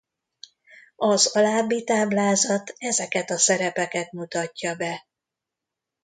Az alábbi táblázat ezeket a szerepeket mutatja be.